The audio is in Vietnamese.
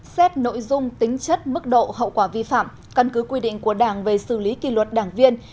xét nội dung tính chất mức độ hậu quả vi phạm căn cứ quy định của đảng về xử lý kỷ luật đảng viên